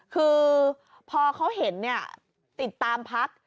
คือพอเขาเห็นติดตามพัก